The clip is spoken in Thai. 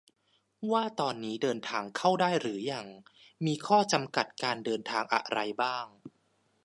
ว่าตอนนี้เดินทางเข้าได้หรือยัง มีข้อจำกัดการเดินทางอะไรบ้าง